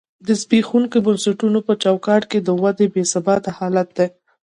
د زبېښونکو بنسټونو په چوکاټ کې د ودې بې ثباته حالت دی.